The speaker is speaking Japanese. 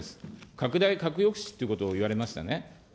拡大核抑止ということを言われましたね。